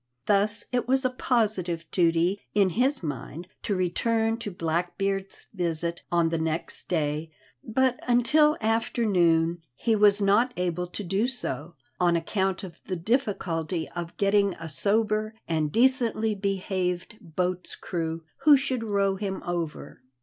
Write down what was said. Thus it was a positive duty, in his mind, to return Blackbeard's visit on the next day, but until afternoon he was not able to do so on account of the difficulty of getting a sober and decently behaved boat's crew who should row him over.